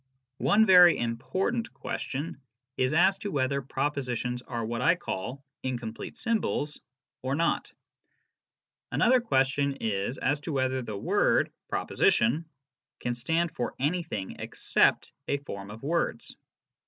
One very important question is as to whether propositions are what I call " incomplete symbols " or not. Another question is as to whether the word " proposition " can stand for anything except a form of words.